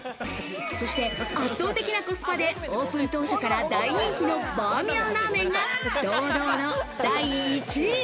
そして圧倒的なコスパでオープン当初から大人気のバーミヤンラーメンが堂々の第１位。